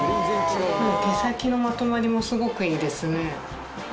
毛先のまとまりもすごくいいですね。